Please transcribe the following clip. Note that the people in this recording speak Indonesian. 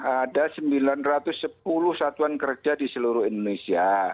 ada sembilan ratus sepuluh satuan kerja di seluruh indonesia